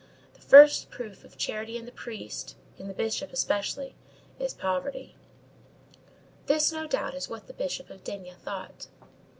The first proof of charity in the priest, in the bishop especially, is poverty. This is, no doubt, what the Bishop of D—— thought.